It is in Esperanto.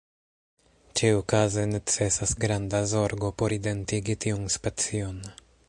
Ĉiukaze necesas granda zorgo por identigi tiun specion.